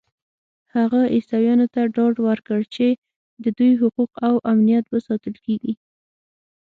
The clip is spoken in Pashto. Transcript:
هغه عیسویانو ته ډاډ ورکړ چې د دوی حقوق او امنیت به ساتل کېږي.